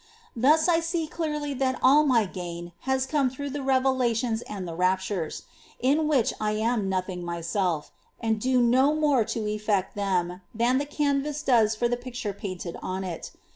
Thus I see clearly that all my gain has come through the revelations and the raptures, in which I am nothing myself, and do no more to effect them than the canvas does for the picture painted on it.